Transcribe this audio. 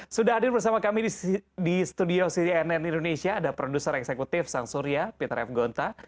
sudah hadir bersama kami di studio cnn indonesia ada produser eksekutif sang surya peter f gonta